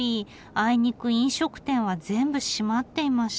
あいにく飲食店は全部閉まっていました。